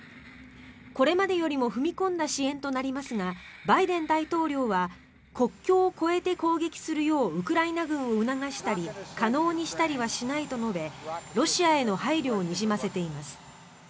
これまでよりも踏み込んだ支援となりますがバイデン大統領は国境を越えて攻撃するようウクライナ軍を促したり可能にしたりはしないと述べロシアへの配慮をにじませています。